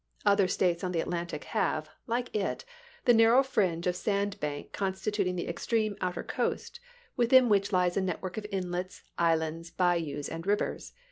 Other States on the Atlantic have, like it, the nar row fringe of sand bank constituting the extreme outer coast within which lies a network of inlets, islands, bayous, and rivers.